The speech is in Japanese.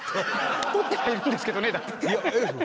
録ってはいるんですけどね」。